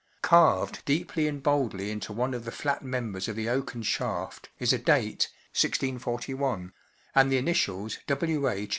Carved deeply and boldly into one of the flat members of the oaken shaft is a date, 1641, and the initials W. H.